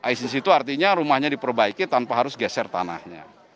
isis itu artinya rumahnya diperbaiki tanpa harus geser tanahnya